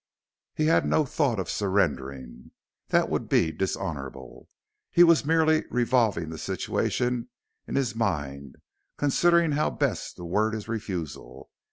He had no thought of surrendering that would be dishonorable. He was merely revolving the situation in his mind, considering how best to word his refusal.